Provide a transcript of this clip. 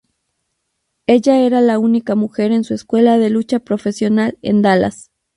Ella era la única mujer en su escuela de lucha profesional en Dallas.